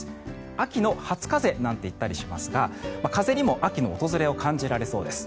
秋の初風なんて言ったりしますが風にも秋の訪れを感じられそうです。